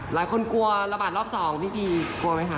หลายคนกลัวระบาดรอบ๒พี่พีกลัวไหมคะ